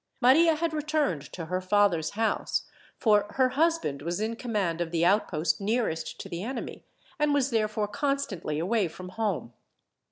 Maria had returned to her father's house, for her husband was in command of the outpost nearest to the enemy, and was therefore constantly away from home.